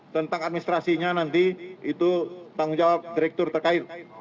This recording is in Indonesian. tentang administrasinya nanti itu tanggung jawab direktur terkait